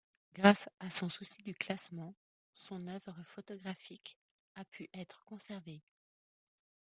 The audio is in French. Grâce à son souci du classement, son œuvre photographique a pu être conservée.